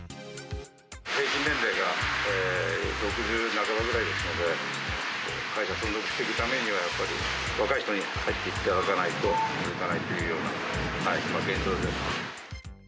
平均年齢が６０半ばぐらいですので、会社存続していくためにはやっぱり、若い人に入っていただかないと、続かないというような今、現状です。